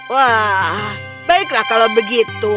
wah baiklah kalau begitu